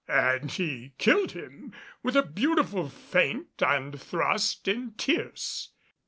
And he killed him with a beautiful feint and thrust in tierce.